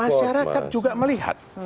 masyarakat juga melihat